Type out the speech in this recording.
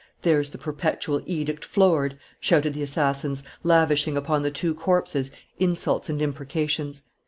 "There's the perpetual edict floored!" shouted the assassins, lavishing upon the two corpses insults and imprecations.